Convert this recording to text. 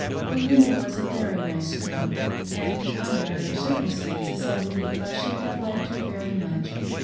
Belinda was a very nice girl and, under other circumstances, I believe I should have liked her very much.